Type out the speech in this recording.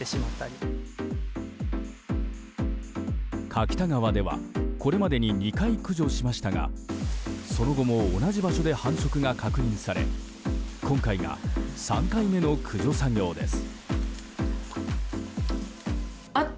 柿田川ではこれまでに２回駆除しましたがその後も同じ場所で繁殖が確認され今回が３回目の駆除作業です。